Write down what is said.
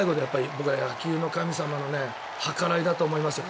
僕は野球の神様の計らいだと思いますよ。